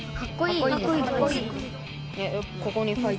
かっこいい。